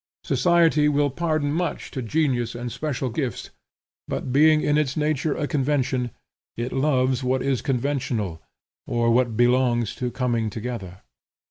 Society will pardon much to genius and special gifts, but, being in its nature a convention, it loves what is conventional, or what belongs to coming together.